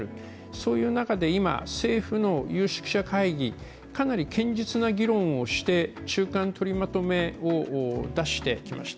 そういう中で、今、政府の有識者会議かなり堅実な議論をして中間取りまとめを出してきました。